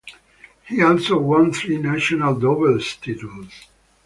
He also won three national doubles titles.